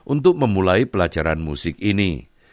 untuk memulai pelajaran musik ini